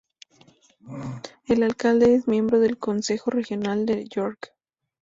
El alcalde es miembro del Concejo Regional de York.